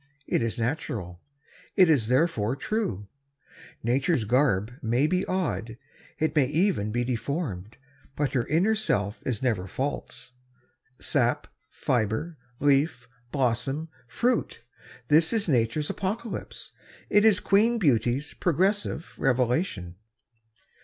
It is natural. It is therefore true. Nature's garb may be odd. It may even be deformed. But her inner self is never false. Sap, fiber, leaf, blossom, fruit; this is nature's apocalypse. It is Queen Beauty's progressive revelation.